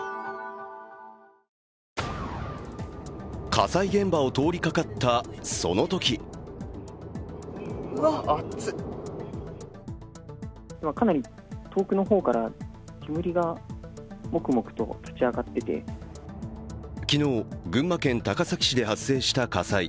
火災現場を通りかかった、そのとき昨日、群馬県高崎市で発生した火災。